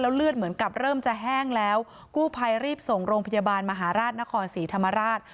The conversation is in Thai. เลือดเหมือนกับเริ่มจะแห้งแล้วกู้ภัยรีบส่งโรงพยาบาลมหาราชนครศรีธรรมราช